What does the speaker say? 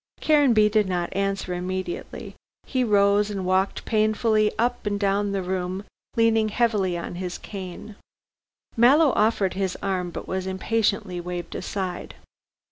Caranby did not answer immediately. He rose and walked painfully up and down the room leaning heavily on his cane. Mallow offered his arm but was impatiently waved aside.